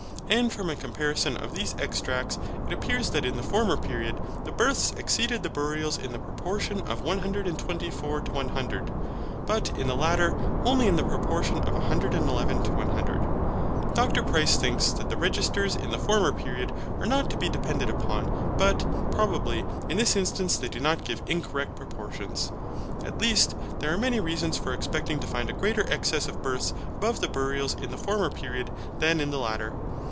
And from a comparison of these extracts, it appears that in the former period the births exceeded the burials in the proportion of 124 to 100, but in the latter, only in the proportion of 111 to 100. Dr Price thinks that the registers in the former period are not to be depended upon, but, probably, in this instance they do not give incorrect proportions. At least there are many reasons for expecting to find a greater excess of births above the burials in the former period than in the latter.